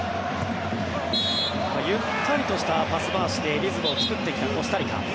ゆったりとしたパス回しでリズムを作ってきたコスタリカ。